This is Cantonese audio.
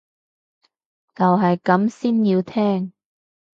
就係咁先要聽